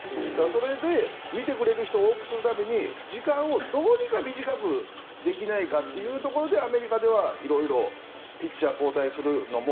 それで見てくれる人を多くするために時間をどうにか短くできないかというところでアメリカでは色々ピッチャー交代するのも